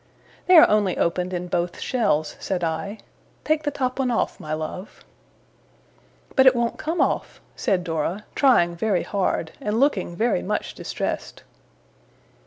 'They are only opened in both shells,' said I. 'Take the top one off, my love.' 'But it won't come off!' said Dora, trying very hard, and looking very much distressed.